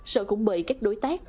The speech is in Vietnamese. sở cũng bởi các đối tác